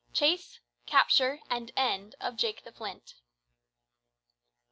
CHASE, CAPTURE, AND END OF JAKE THE FLINT.